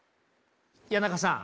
谷中さん